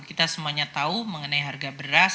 kita semuanya tahu mengenai harga beras